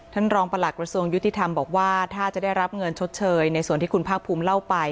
รองประหลักกระทรวงยุติธรรมบอกว่าถ้าจะได้รับเงินชดเชยในส่วนที่คุณภาคภูมิเล่าไป